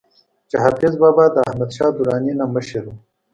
چې حافظ بابا د احمد شاه دراني نه مشر وو